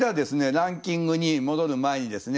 ランキングに戻る前にですね